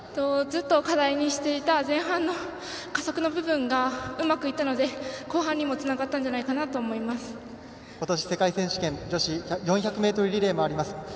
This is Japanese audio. ずっと課題にしていた前半の加速の部分がうまくいったので後半にもつながったんじゃことし世界選手権女子４００ｍリレーもあります。